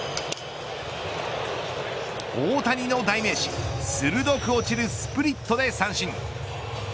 大谷の代名詞鋭く落ちるスプリットで三振。